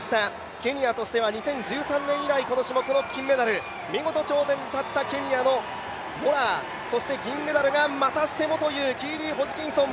ケニアとしては２０１３年以来のこの種目の金メダル、見事頂点に立ったケニアのモラアそして銀メダルがまたしてもというキーリー・ホジキンソン。